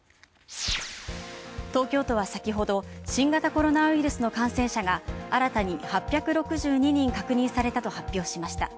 東京都は先ほど、新型コロナウイルスの感染者が新たに８６２人確認されたと発表しました。